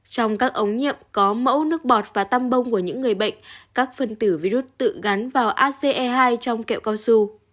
trong các ống nhiệm có mẫu nước bọt và tăm bông của những người bệnh các phần tử virus tự gắn vào ace hai trong kẹo cao su